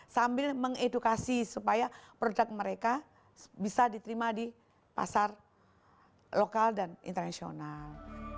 sambil mengedukasi supaya produk mereka bisa diterima di pasar lokal dan internasional